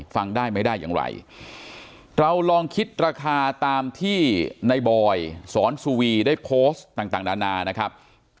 ฟังได้ไม่ได้อย่างไรเราลองคิดราคาตามที่ในบอยสอนสุวีได้โพสต์ต่างนานานะครับ